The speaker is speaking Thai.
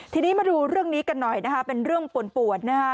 ทีนี้มาดูเรื่องนี้กันหน่อยนะคะเป็นเรื่องปวดนะฮะ